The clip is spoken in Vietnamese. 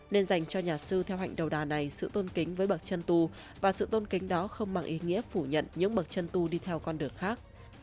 nên dành cho nhà sư theo hạnh đầu đà này sự tôn kính với bậc chân tu và sự tôn kính đó không bằng ý nghĩa phủ nhận những bậc chân tu đi theo con đường khác